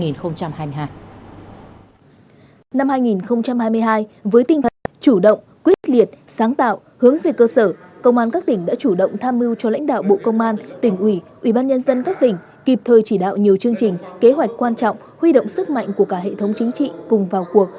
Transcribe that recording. năm hai nghìn hai mươi hai với tinh thần chủ động quyết liệt sáng tạo hướng về cơ sở công an các tỉnh đã chủ động tham mưu cho lãnh đạo bộ công an tỉnh ủy ủy ban nhân dân các tỉnh kịp thời chỉ đạo nhiều chương trình kế hoạch quan trọng huy động sức mạnh của cả hệ thống chính trị cùng vào cuộc